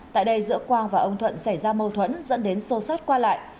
tại đây giữa quang và ông thuận xảy ra mâu thuẫn dẫn đến sô sát qua lại